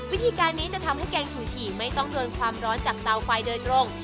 วิธีการนี้จะทำให้แกงฉูฉี่ไม่ต้องโดนความร้อนจากเตาไฟโดยตรง